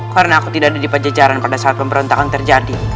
karena aku tidak ada di pajajaran pada saat pemberontakan terjadi